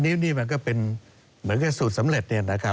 ้วนี่มันก็เป็นเหมือนกับสูตรสำเร็จ